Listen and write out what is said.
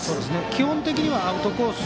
基本的にはアウトコース